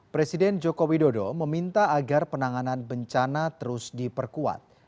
presiden joko widodo meminta agar penanganan bencana terus diperkuat